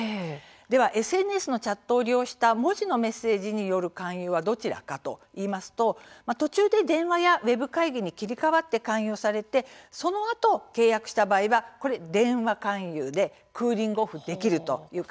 ではＳＮＳのチャットを利用した文字のメッセージによる勧誘はどちらかといいますと途中で、電話やウェブ会議に切り替わって勧誘されてそのあと、契約した場合は電話勧誘という解釈でクーリング・オフできるんです。